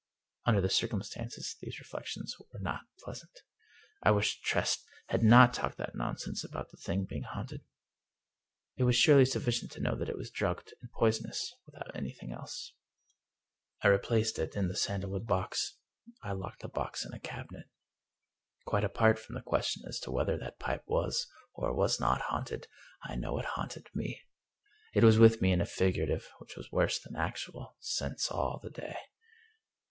Under the circumstances, these reflections were not pleasant. I wished Tress had not talked that non sense about the thing being haunted. It was surely suffi 229 English Mystery Stories cient to know that it was drugged and poisonous, without anything else. I replaced it in the sandalwood box. I locked the box in a cabinet. Quite apart from the question as to whether that pipe was or was not haunted, I know it haunted me. It was with me in a figurative — ^which was worse than actual — sense all the day.